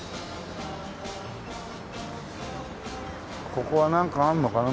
ここはなんかあんのかな？